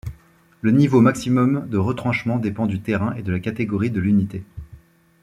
Le niveau maximum de retranchement dépend du terrain et de la catégorie de l'unité.